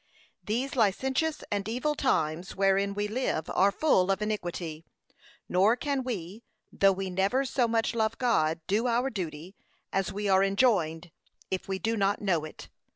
These licentious and evil times wherein we live are full of iniquity; nor can we, though we never so much love God, do our duty, as we are enjoined, if we do not know it.